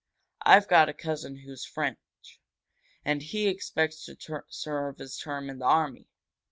I've got a, cousin who's French. And he expects to serve his term in the army.